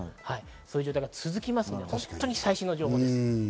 そういう状態が続きますから最新の情報です。